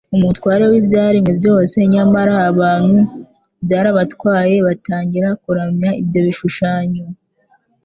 Umutware w’ibyaremwe byose; nyamara abantu byarabatwaye batangira kuramya ibyo bishushanyo